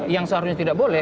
yang seharusnya tidak boleh